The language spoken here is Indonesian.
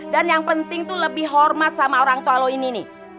dan yang penting tuh lebih hormat sama orang tua lo ini nih